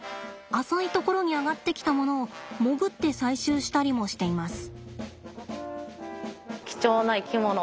浅い所に上がってきたものを潜って採集したりもしています。